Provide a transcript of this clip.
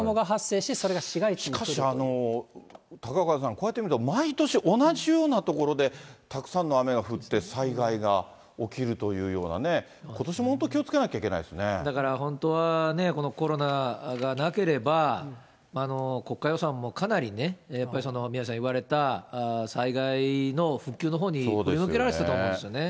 しかし、高岡さん、こうやって見ると毎年、同じような所で、たくさんの雨が降って、災害が起きるというようなね、ことしも本当、気をつけなきゃいけだから本当はね、このコロナがなければ、国家予算もかなりね、やっぱり、宮根さんが言われた、災害の復旧のほうに振り向けられたと思うんですよね。